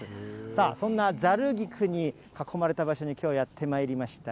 さあ、そんなざる菊に囲まれた場所に、きょうはやってまいりました。